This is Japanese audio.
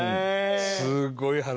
すごい話。